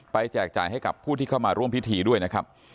แจกจ่ายให้กับผู้ที่เข้ามาร่วมพิธีด้วยนะครับ